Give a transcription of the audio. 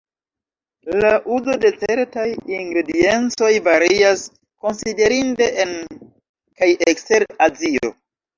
La uzo de certaj ingrediencoj varias konsiderinde en kaj ekster Azio.